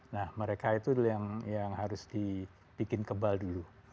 nah mereka itu yang harus dibikin kebal dulu